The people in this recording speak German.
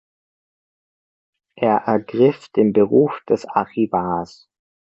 Er ergriff den Beruf des Archivars.